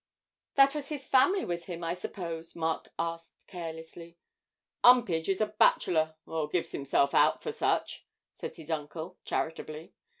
'That was his family with him, I suppose?' Mark asked carelessly. ''Umpage is a bachelor, or gives himself out for such,' said his uncle, charitably.